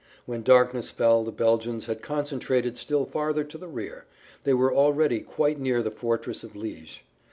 When darkness fell the Belgians had concentrated still farther to the rear; they were already quite near the fortress of Liège.